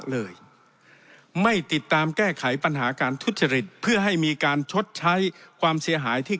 เลยไม่ติดตามแก้ไขปัญหาการทุจริตเพื่อให้มีการชดใช้ความเสียหายที่